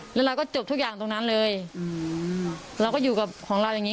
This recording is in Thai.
แล้วเราก็จบทุกอย่างตรงนั้นเลยเราก็อยู่กับของเราอย่างนี้